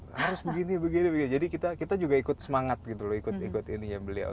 harus begini begini jadi kita juga ikut semangat gitu loh ikut ikut ini ya beliau